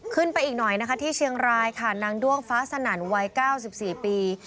ไปอีกหน่อยนะคะที่เชียงรายค่ะนางด้วงฟ้าสนั่นวัย๙๔ปี